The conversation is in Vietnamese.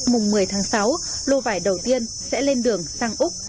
mùng một mươi tháng sáu lô vải đầu tiên sẽ lên đường sang úc